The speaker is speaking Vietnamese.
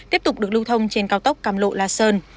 tiếp tục được lưu thông trên cao tốc cam lộ la sơn